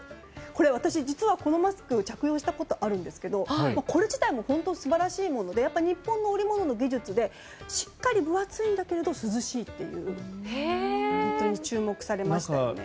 私、実はこのマスクを着用したことあるんですがこれ自体も本当に素晴らしいもので日本の織物の技術でしっかり分厚いんだけれども涼しいというもので本当に注目されましたよね。